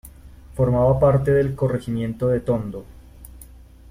Formaba parte del Corregimiento de Tondo.